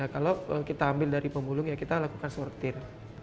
kalau kita ambil dari pembulung ya kita lakukan suor tir